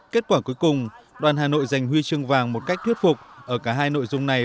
kết quả cuối cùng đoàn hà nội giành huy chương vàng một cách thuyết phục ở cả hai nội dung này